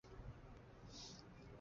单应性是几何中的一个概念。